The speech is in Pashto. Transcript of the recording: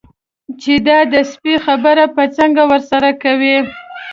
چې دا د سپي خبره به څنګه ورسره کوي.